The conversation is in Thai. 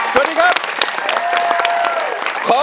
สวัสดีครับ